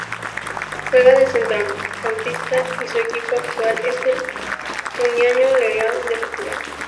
Juega de centrocampista y su equipo actual es el União Leiria de Portugal.